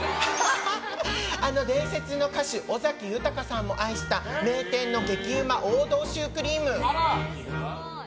あの伝説の歌手・尾崎豊も愛した名店の激うま王道シュークリーム。